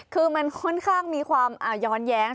คือมันค่อนข้างมีความย้อนแย้ง